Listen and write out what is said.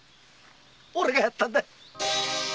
オレがやったんだ